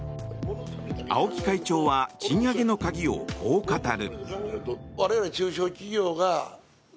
青木会長は賃上げの鍵をこう語る。